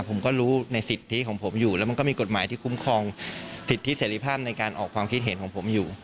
ผมก็รู้ในสิทธิของผมอยู่แล้วมันก็มีกฎหมายที่คุ้มครองสิทธิเสรีภาพในการออกความคิดเห็นของผมอยู่